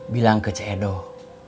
bilang ke cedoh